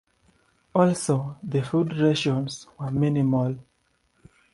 Also, the food rations were minimal.